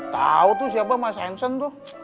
tahu tuh siapa my sansen tuh